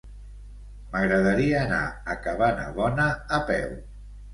M'agradaria anar a Cabanabona a peu.